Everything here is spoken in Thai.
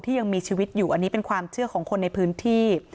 ยังมีชีวิตอยู่อันนี้เป็นความเชื่อของคนในพื้นที่